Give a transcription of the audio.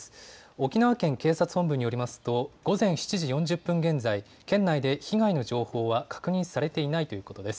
沖縄県警察本部によりますと、午前７時４０分現在、県内で被害の情報は確認されていないということです。